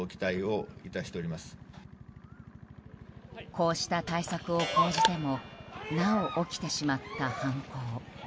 こうした対策を講じてもなお起きてしまった犯行。